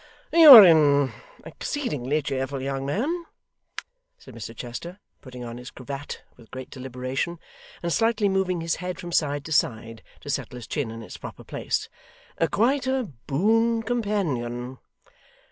'You are an exceedingly cheerful young man,' said Mr Chester, putting on his cravat with great deliberation, and slightly moving his head from side to side to settle his chin in its proper place. 'Quite a boon companion.